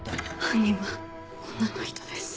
犯人は女の人です